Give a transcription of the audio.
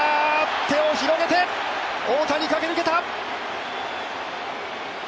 手を広げて大谷、駆け抜けた。